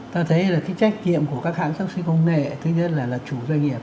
ta thấy là cái trách nhiệm của các hãng xác sinh công nghệ thứ nhất là là chủ doanh nghiệp